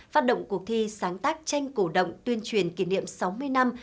phát động cuộc thi sáng tác tranh cổ động tuyên truyền kỷ niệm sáu mươi năm